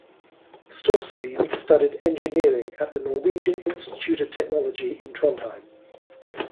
Storsveen studied engineering at the Norwegian Institute of Technology in Trondheim.